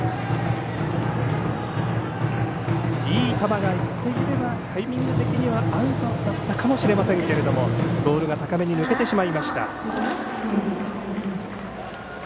いい球がいっていればタイミング的にはアウトだったかもしれませんけれどもボールが高めに抜けてしまいました。